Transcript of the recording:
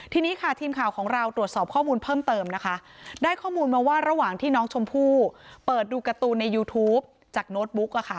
ทีนี้ค่ะทีมข่าวของเราตรวจสอบข้อมูลเพิ่มเติมนะคะได้ข้อมูลมาว่าระหว่างที่น้องชมพู่เปิดดูการ์ตูนในยูทูปจากโน้ตบุ๊กอะค่ะ